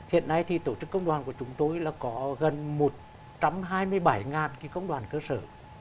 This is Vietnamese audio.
hiện nay thì tổ chức công đoàn của chúng tôi là có gần một trăm hai mươi bảy công đoàn cơ sở